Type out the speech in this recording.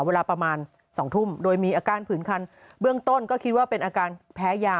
เวลาประมาณ๒ทุ่มโดยมีอาการผืนคันเบื้องต้นก็คิดว่าเป็นอาการแพ้ยา